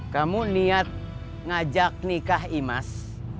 kamu niat ngajak nikah imas